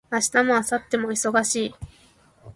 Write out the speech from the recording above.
明日も明後日も忙しい